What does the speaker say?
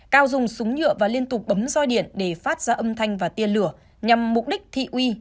cao dùng súng nhựa và liên tục bấm roi điện để phát ra âm thanh và tiên lửa nhằm mục đích thị uy